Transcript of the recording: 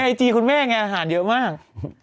ไอจีคุณแม่ไงอาหารเยอะมาก